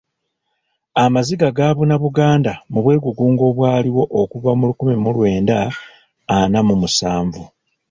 Amaziga gaabuna Buganda mu bwegugungo obwaliwo okuva mu lukumi mu lwenda ana mu musanvu.